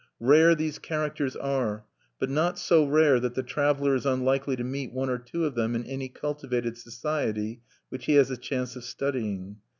Rare these characters are, but not so rare that the traveler is unlikely to meet one or two of them in any cultivated society which he has a chance of studying.